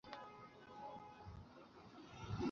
আগে এক কাপ চা খেতে দে।